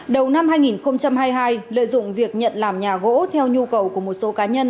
đầu năm hai nghìn hai mươi hai lợi dụng việc nhận làm nhà gỗ theo nhu cầu của một số cá nhân